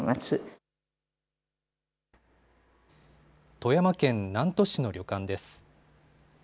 富山県南砺市の旅館です。